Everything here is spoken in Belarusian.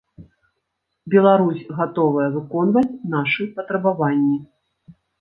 Беларусь гатовая выконваць нашы патрабаванні.